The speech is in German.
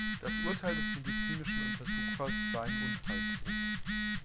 Das Urteil des medizinischen Untersuchers war ein Unfalltod.